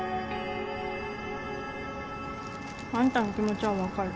あんたの気持ちは分かる。